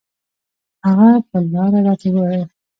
هغه پر لاره راته وويل.